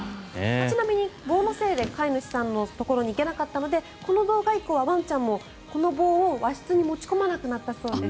ちなみに棒のせいで飼い主さんのところに行けなかったのでこの動画以降はワンちゃんもこの棒を和室に持ち込まなくなったそうです。